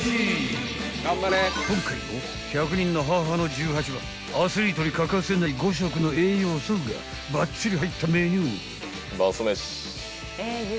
［今回も１００人の母の十八番アスリートに欠かせない５色の栄養素がばっちり入ったメニュー］